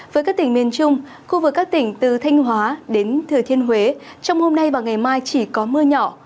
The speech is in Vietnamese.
với các tỉnh miền trung khu vực các tỉnh từ thanh hóa đến thừa thiên huế trong hôm nay và ngày mai chỉ có mưa nhỏ